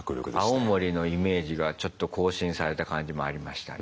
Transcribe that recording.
青森のイメージがちょっと更新された感じもありましたね。